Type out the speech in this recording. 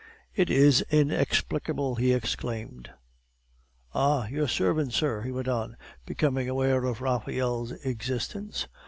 "It is inexplicable," he exclaimed. "Ah, your servant, sir," he went on, becoming aware of Raphael's existence.